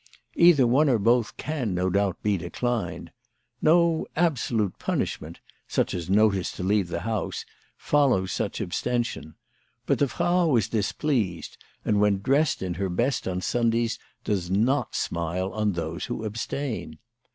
Either one or both can, no doubt, be declined. No absolute punishment, such as notice to leave the house, follows such abstention. But the Frau is displeased, and when dressed in her best on Sundays does not smile on those who abstain.